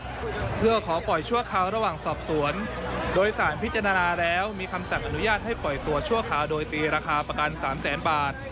เพื่อขอปล่อยชั่วคราวระหว่างสอบสวนโดยสารพิจารณาแล้วมีคำสั่งอนุญาตให้ปล่อยตัวชั่วคราวโดยตีราคาประกันสามแสนบาท